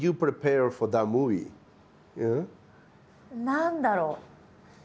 何だろう。